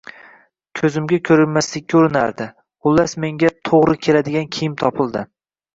Ko‘zimga qaramaslikka urinardi. Xullas, menga «to‘g‘ri keladigan» kiyim topildi.